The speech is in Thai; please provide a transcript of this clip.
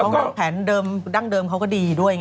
ของแผนดั้งเดิมเขาก็ดีด้วย